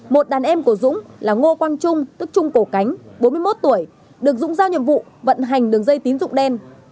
một đàn em của dũng là ngô quang trung tức trung cổ cánh bốn mươi một tuổi được dũng giao nhiệm vụ vận hành đường dây tín dụng đen